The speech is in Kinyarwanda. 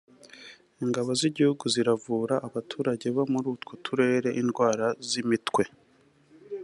Ingabo z’igihugu ziravura abaturage bo muri utwo turere indwara z’imitwe